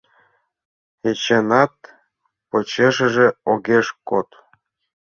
Эчанат почешыже огеш код.